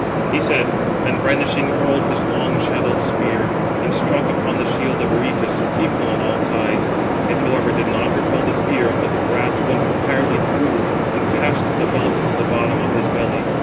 He said; and, brandishing, hurled his long shadowed spear, and struck upon the shield of Aretus, equal on all sides; it however did not repel the spear, but the brass went entirely through, and passed through the belt into the bottom of his belly.